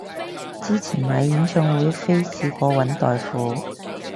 之前買演唱會飛試過搵代付